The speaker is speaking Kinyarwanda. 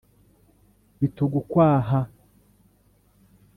bitugukwaha.